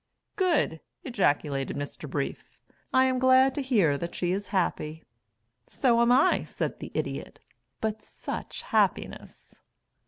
"Good," ejaculated Mr. Brief. "I am glad to hear that she is happy." "So am I," said the Idiot. "But such happiness."